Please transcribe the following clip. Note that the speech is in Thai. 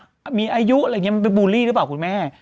ว่ามีอายุมันเป็นบูลลี่หรือปะคุณแม่